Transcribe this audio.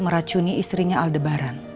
meracuni istrinya aldebaran